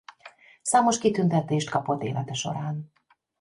Számos kitüntetést kapott élete során.